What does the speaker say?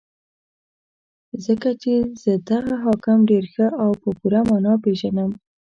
ځکه چې زه دغه حاکم ډېر ښه او په پوره مانا پېژنم.